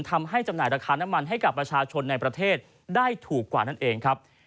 จำหน่ายราคาน้ำมันให้กับประชาชนในประเทศได้ถูกกว่านั่นเองครับ